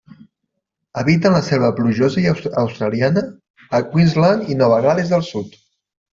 Habiten la selva plujosa australiana a Queensland i Nova Gal·les del Sud.